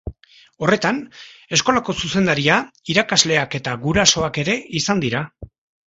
Horretan, eskolako zuzendaria, irakasleak eta gurasoak ere izan dira.